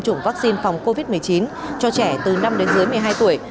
tổ chức triển khai tiêm vaccine phòng covid một mươi chín cho trẻ từ năm đến dưới một mươi hai tuổi